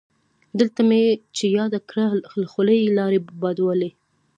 دته مې چې یاده کړه له خولې یې لاړې بادولې.